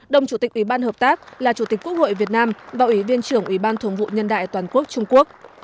đồng chủ tịch ủy ban hợp tác là chủ tịch quốc hội việt nam và ủy viên trưởng ủy ban thường vụ nhân đại toàn quốc trung quốc